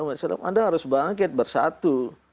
anda harus bangkit bersatu